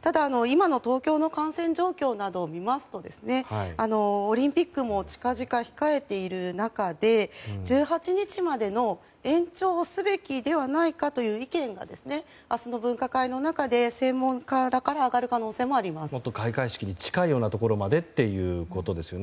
ただ、今の東京の感染状況などを見ますとオリンピックも近々控えている中で１８日まで延長すべきではないかという意見が明日の分科会の中で専門家らからもっと開会式まで近いようなところまでということですよね。